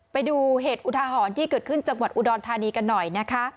ไปดูเหตุอุทาหรณ์ที่เกิดขึ้นจังหวัดอุดรธานีกันหน่อยนะคะ